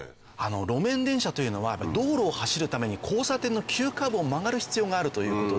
路面電車というのは道路を走るために交差点の急カーブを曲がる必要があるということで。